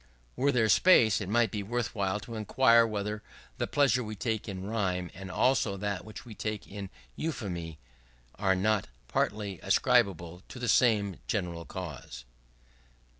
Were there space, it might be worthwhile to inquire whether the pleasure we take in rhyme, and also that which we take in euphony, axe not partly ascribable to the same general cause.